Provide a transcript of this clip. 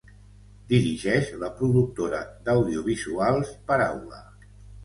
Dirigeix la productora d'audiovisuals Paraula.